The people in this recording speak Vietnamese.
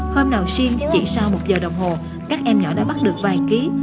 hôm nào riêng chỉ sau một giờ đồng hồ các em nhỏ đã bắt được vài ký